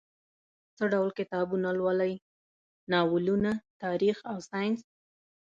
څه ډول کتابونه لولئ؟ ناولونه، تاریخ او ساینس